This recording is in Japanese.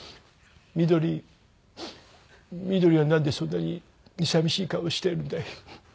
みどりみどりはなんでそんなに寂しい顔しているんだい。